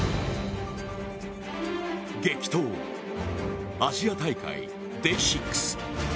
激闘、アジア大会Ｄａｙ６。